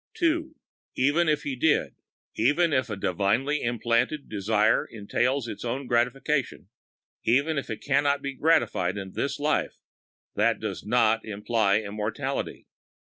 (2) Even if He did—even if a divinely implanted desire entail its own gratification—even if it can not be gratified in this life—that does not imply immortality.